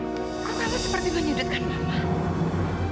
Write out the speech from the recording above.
aku kaget seperti menyudutkan mama